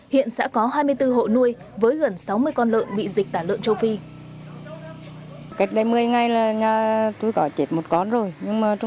hiện sẽ có hai mươi bốn hộ nuôi